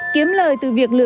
kiếm lời từ việc lưu